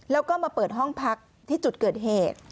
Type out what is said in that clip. แล้วก็มาเปิดห้องพักที่จุดเกิดเหตุ